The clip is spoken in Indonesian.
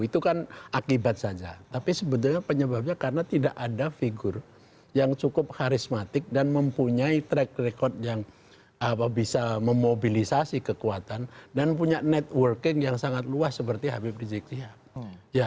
itu kan akibat saja tapi sebetulnya penyebabnya karena tidak ada figur yang cukup karismatik dan mempunyai track record yang bisa memobilisasi kekuatan dan punya networking yang sangat luas seperti habib rizik sihab